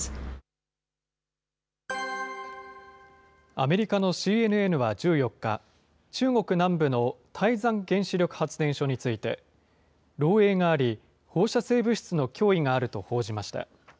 アメリカのＣＮＮは１４日、中国南部の台山原子力発電所について、漏えいがあり、放射性物質の脅威があると報じました。